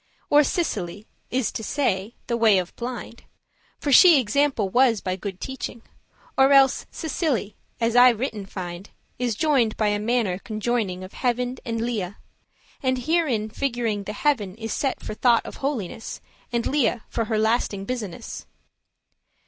Or Cecilie is to say, the way of blind;<7> For she example was by good teaching; Or else Cecilie, as I written find, Is joined by a manner conjoining Of heaven and Lia, <7> and herein figuring The heaven is set for thought of holiness, And Lia for her lasting business.